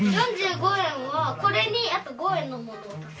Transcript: ４５円はこれにあと５円のものを足す。